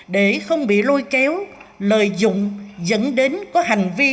để không bị lôi kéo lợi dụng dẫn đến có hành vi